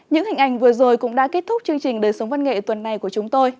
những hình ảnh vừa rồi cũng đã kết thúc chương trình đời sống văn nghệ tuần này của chúng tôi